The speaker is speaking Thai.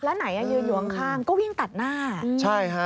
แล้วไหนยืนอยู่ข้างก็วิ่งตัดหน้า